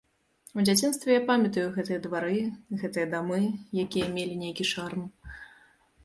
У дзяцінстве я памятаю гэтыя двары, гэтыя дамы, якія мелі нейкі шарм.